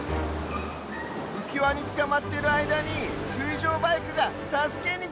うきわにつかまってるあいだにすいじょうバイクがたすけにきた！